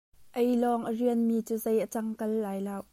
Ei lawng a rianmi cu zei a cangkal lai lo.